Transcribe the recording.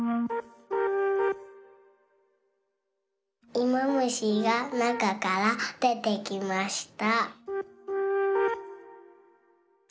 いもむしがなかからでてきました。